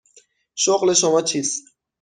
شغل شما چیست؟